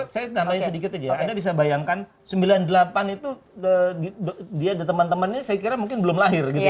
saya namanya sedikit aja ya anda bisa bayangkan sembilan puluh delapan itu dia dan teman teman ini saya kira mungkin belum lahir